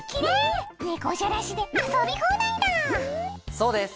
そうです。